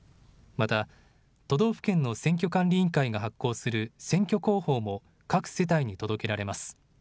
また都道府県の選挙管理委員会が発行する選挙公報も各世帯に届けられます。